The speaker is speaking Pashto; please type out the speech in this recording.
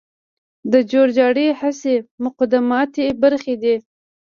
د جور جارې هڅې مقدماتي برخي دي.